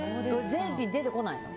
全品、出てこないの？